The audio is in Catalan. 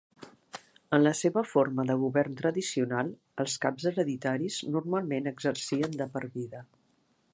En la seva forma de govern tradicional, els caps hereditaris normalment exercien de per vida.